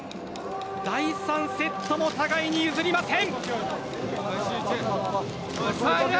第３セットも互いに譲りません。